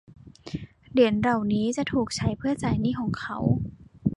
เหรียญเหล่านี้จะถูกใช้เพื่อจ่ายหนี้ของเขา